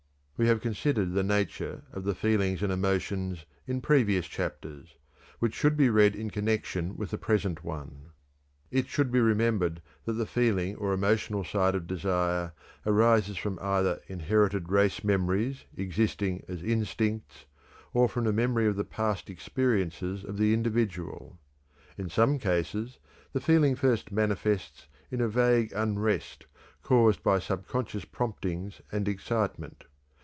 We have considered the nature of the feelings and emotions in previous chapters, which should be read in connection with the present one. It should be remembered that the feeling or emotional side of desire arises from either inherited race memories existing as instincts, or from the memory of the past experiences of the individual. In some cases the feeling first manifests in a vague unrest caused by subconscious promptings and excitement.